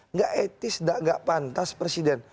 nggak etis nggak pantas presiden